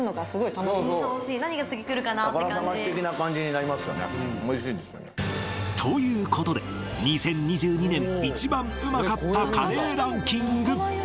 宝探し的な感じになりますよねということで２０２２年一番うまかったカレーランキング